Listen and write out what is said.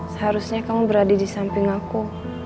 seharusnya kamu berada di samping aku